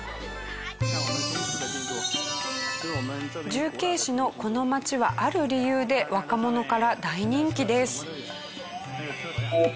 重慶市のこの街はある理由で若者から大人気です。